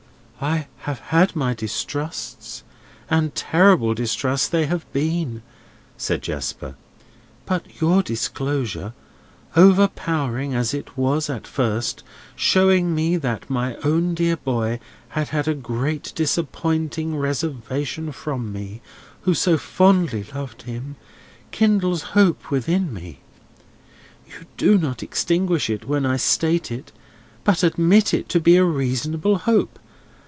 "I have had my distrusts, and terrible distrusts they have been," said Jasper; "but your disclosure, overpowering as it was at first—showing me that my own dear boy had had a great disappointing reservation from me, who so fondly loved him, kindles hope within me. You do not extinguish it when I state it, but admit it to be a reasonable hope.